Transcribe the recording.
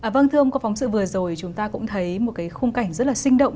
vâng thưa ông qua phóng sự vừa rồi chúng ta cũng thấy một khung cảnh rất là sinh động